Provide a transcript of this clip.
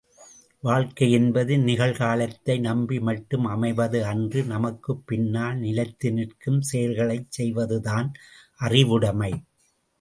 வாழ்க்கை என்பது நிகழ் காலத்தை நம்பி மட்டும் அமைவது அன்று நமக்குப்பின்னால் நிலைத்து நிற்கும் செயல்களைச் செய்வதுதான் அறிவுடைமை.